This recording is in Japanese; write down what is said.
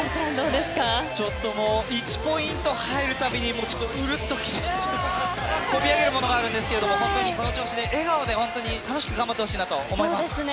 １ポイント入るたびにうるっときちゃってこみ上げるものがあるんですけれどこの調子で笑顔で楽しく頑張ってほしいと思います。